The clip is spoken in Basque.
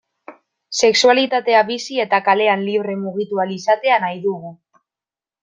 Sexualitatea bizi eta kalean libre mugitu ahal izatea nahi dugu.